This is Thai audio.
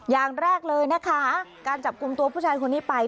อย่างแรกเลยนะคะการจับกลุ่มตัวผู้ชายคนนี้ไป